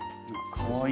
かわいい。